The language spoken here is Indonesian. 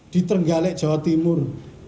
di tenggalek jawa timur